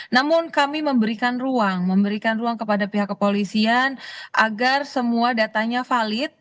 namun kami memberikan ruang memberikan ruang kepada pihak kepolisian agar semua datanya valid